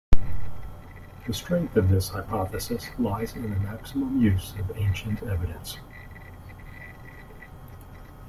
The strength of this hypothesis lies in the maximum use of ancient evidence.